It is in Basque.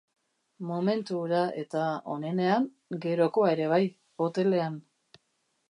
Momentu hura eta, onenean, gerokoa ere bai, hotelean.